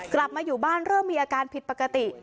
กลับมาอยู่บ้านเริ่มมีอาการผิดปกติ